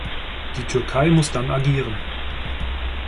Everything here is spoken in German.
Die Türkei muss dann agieren.